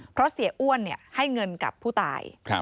เพราะเสียอ้วนให้เงินกับผู้ตาย